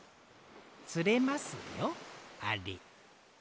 つれますよあれ。